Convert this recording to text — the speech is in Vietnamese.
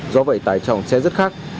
do vậy tải trọng sẽ rất khác